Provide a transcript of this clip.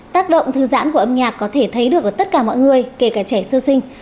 tác động thư giãn của âm nhạc có thể thấy được ở tất cả mọi người kể cả trẻ sơ sinh